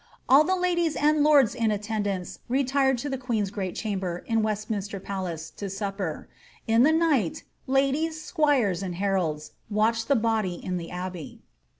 All the ladies and lords in attendance retired to the queen's great chamber, in Westminster Palace, to supper. In the night, ladies, squires, and heralds, watched the body in the abbey.